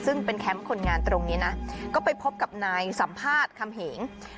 ซึ่งเป็นแคมป์คนงานตรงนี้นะก็ไปพบกับนายสัมภาษณ์คำเหง